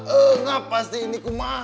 engap pasti ini kumah